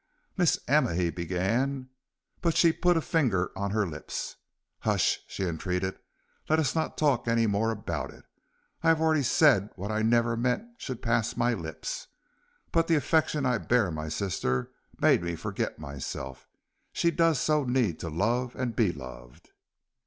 "Miss Emma," he began, but she put her finger on her lips. "Hush!" she entreated; "let us not talk any more about it. I have already said what I never meant should pass my lips; but the affection I bear my sister made me forget myself; she does so need to love and be loved."